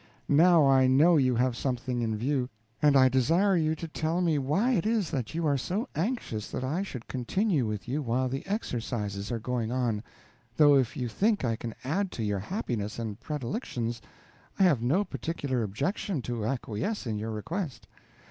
"Now I know you have something in view, and I desire you to tell me why it is that you are so anxious that I should continue with you while the exercises are going on; though if you think I can add to your happiness and predilections, I have no particular objection to acquiesce in your request.